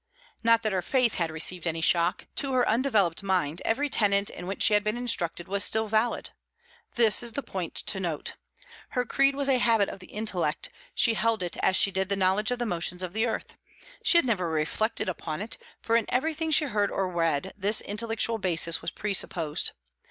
Not that her faith had received any shock. To her undeveloped mind every tenet in which she had been instructed was still valid. This is the point to note. Her creed was a habit of the intellect; she held it as she did the knowledge of the motions of the earth. She had never reflected upon it, for in everything she heard or read this intellectual basis was presupposed.